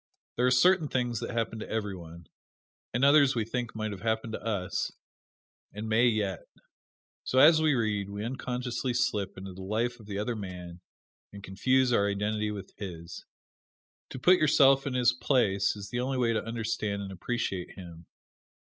There are certain things that happen to every one, and others we think might have happened to us, and may yet. So as we read, we unconsciously slip into the life of the other man and confuse our identity with his. To put yourself in his place is the only way to understand and appreciate him.